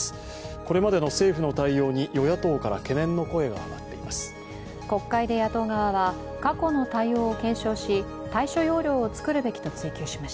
これまでの政府の対応に与野党から懸念の声が上がっています。